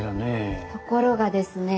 ところがですね